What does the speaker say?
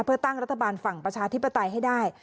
เพื่อตั้งรัฐบาลฝั่งประชาธิปไตยให้ได้